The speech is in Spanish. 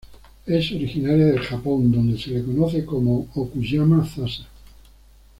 Es originaria del Japón donde se le conoce como "Okuyama-zasa".